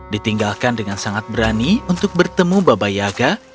ditinggalkan dengan sangat berani untuk bertemu baba yaga